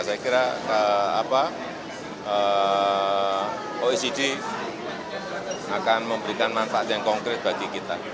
saya kira oecd akan memberikan manfaat yang konkret bagi kita